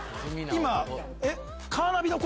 今。